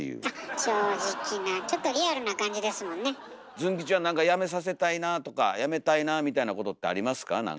ズン吉はなんかやめさせたいなとかやめたいなみたいなことってありますか？